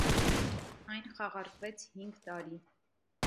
Այն խաղարկվեց հինգ տարի։